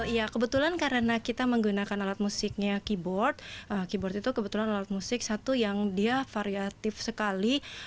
ya kebetulan karena kita menggunakan alat musiknya keyboard keyboard itu kebetulan alat musik satu yang dia variatif sekali